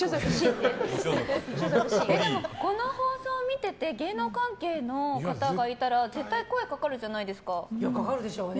この放送を見てて芸能関係の方がいたら絶対声かかるじゃないですか。